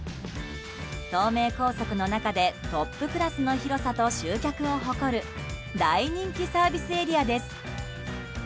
東名高速の中でトップクラスの広さと集客を誇る大人気サービスエリアです。